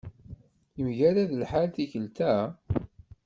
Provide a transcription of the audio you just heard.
Yemgarad lḥal tikelt-a?